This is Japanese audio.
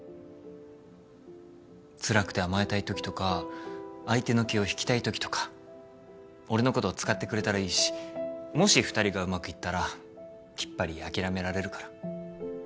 つらくて甘えたいときとか相手の気を引きたいときとか俺のこと使ってくれたらいいしもし二人がうまくいったらきっぱり諦められるから。